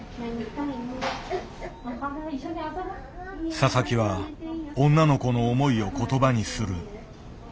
佐々木は女の子の思いを言葉にする。